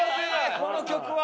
この曲は。